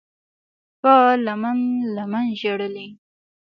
په لمن، لمن ژړلي